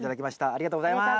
ありがとうございます。